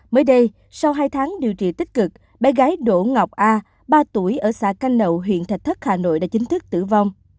mới đây sau hai tháng điều trị tích cực bé gái đỗ ngọc a ba tuổi ở xã canh nậu huyện thạch thất hà nội đã chính thức tử vong